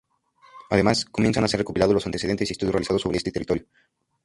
Además, comienzan a ser recopilados los antecedentes y estudios realizados sobre ese territorio.